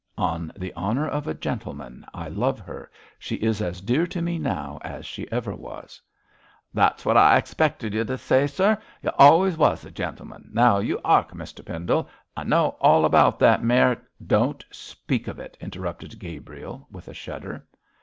'On the honour of a gentleman. I love her; she is as dear to me now as she ever was.' 'That's wot I expected y' to say, sir. Y' allays wos a gentleman. Now you 'ark, Mr Pendle; I knows all about that mar ' 'Don't speak of it!' interrupted Gabriel, with a shudder.